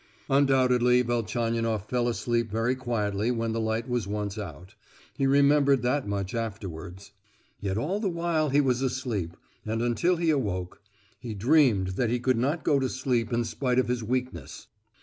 Undoubtedly Velchaninoff fell asleep very quietly when the light was once out; he remembered that much afterwards. Yet all the while he was asleep, and until he awoke, he dreamed that he could not go to sleep in spite of his weakness.